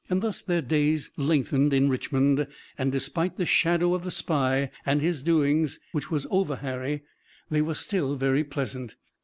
Thus their days lengthened in Richmond, and, despite the shadow of the spy and his doings which was over Harry, they were still very pleasant.